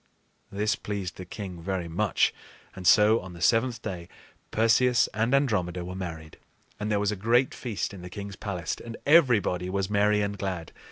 This pleased the king very much; and so, on the seventh day, Perseus and Andromeda were married, and there was a great feast in the king's palace, and everybody was merry and glad.